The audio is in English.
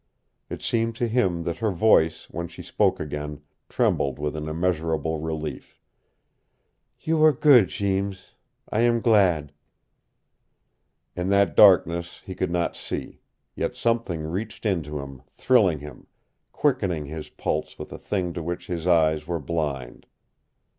It seemed to him that her voice, when she spoke again, trembled with an immeasurable relief. "You were good, Jeems. I am glad." In that darkness he could not see. Yet something reached into him, thrilling him, quickening his pulse with a thing to which his eyes were blind.